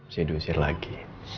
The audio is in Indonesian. sini usir lagi